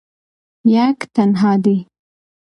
یک تنها دی